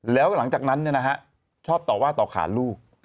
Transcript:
แล้วหลังจากนั้นชอบต่อว่าต่อขานลูก